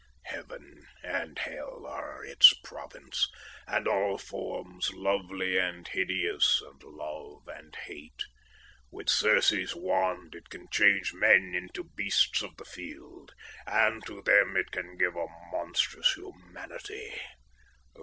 Heaven and Hell are in its province; and all forms, lovely and hideous; and love and hate. With Circe's wand it can change men into beasts of the field, and to them it can give a monstrous humanity.